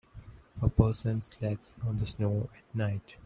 A person sleds on the snow at night.